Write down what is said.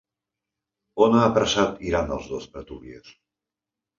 On ha apressat Iran els dos petroliers?